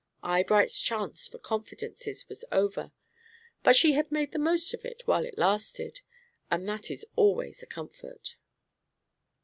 Eyebright's chance for confidences was over: but she had made the most of it while it lasted, and that is always a comfort.